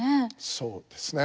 そうですね。